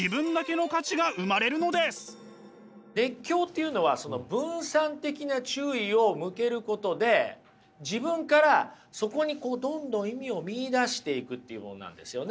熱狂というのはその分散的な注意を向けることで自分からそこにこうどんどん意味を見いだしていくというものなんですよね。